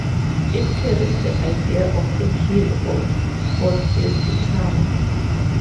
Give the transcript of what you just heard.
It carries the idea of a hill or fortified town.